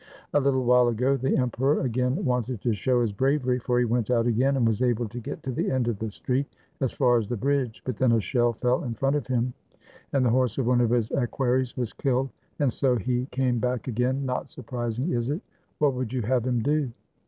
A little while ago the emperor again wanted to show his bravery, for he went out again and was able to get to the end of the street, as far as the bridge. But then a shell fell in front of him, and the horse of one of his equerries was killed. And so he came back again — not surprising, is it? What would you have him do?"